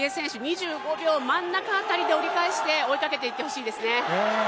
２５秒真ん中辺りで折り返して追いかけていってほしいですね。